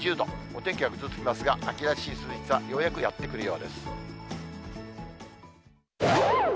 お天気はぐずつきますが、秋らしい涼しさ、ようやくやって来るよ